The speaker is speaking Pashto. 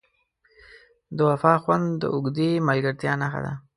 د وفا خوند د اوږدې ملګرتیا نښه ده.